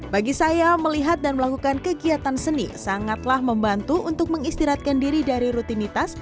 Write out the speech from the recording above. bagi saya melihat dan melakukan kegiatan seni sangatlah membantu untuk mengistirahatkan diri dari rutinitas